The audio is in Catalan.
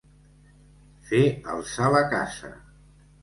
Fer alçar la caça.